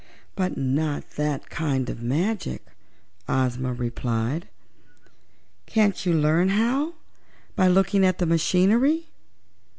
"But not that kind of magic," Ozma replied. "Can't you learn how, by looking at the machinery?"